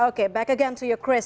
oke kembali lagi ke kamu chris